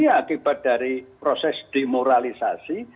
akibat dari proses demoralisasi